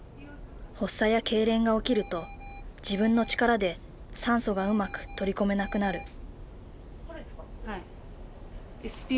発作やけいれんが起きると自分の力で酸素がうまく取り込めなくなる。